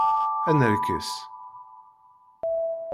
Ad nerkes.